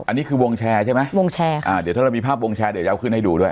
อันนี้คือวงแชร์ใช่ไหมวงแชร์ค่ะอ่าเดี๋ยวถ้าเรามีภาพวงแชร์เดี๋ยวจะเอาขึ้นให้ดูด้วย